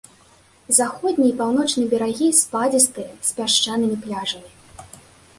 Заходні і паўночны берагі спадзістыя, з пясчанымі пляжамі.